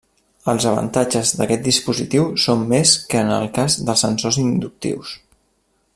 Els avantatges d'aquest dispositiu són més que en el cas dels sensors inductius.